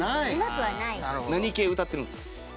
何系歌ってるんですか？